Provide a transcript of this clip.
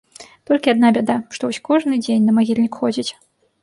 Толькі адна бяда, што вось кожны дзень на магільнік ходзіць.